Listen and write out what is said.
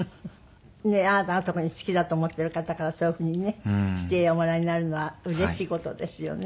あなたが特に好きだと思っている方からそういうふうにねしておもらいになるのはうれしい事ですよね。